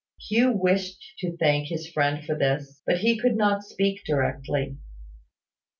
Hugh wished to thank his friend for this; but he could not speak directly.